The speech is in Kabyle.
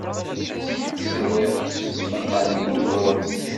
Sriɣ tismaqqalin i tɣuri.